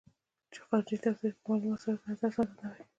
خارجي تفتیش په مالي مسایلو نظر څرګندوي.